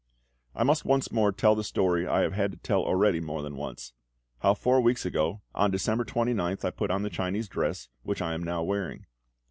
"I must once more tell the story I have had to tell already more than once how four weeks ago, on December 29th, I put on the Chinese dress, which I am now wearing.